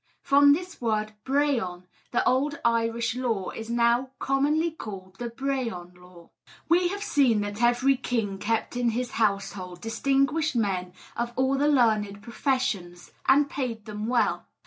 From this word 'brehon,' the old Irish law is now commonly called the 'Brehon Law.' We have seen that every king kept in his household distinguished men of all the learned professions, and paid them well.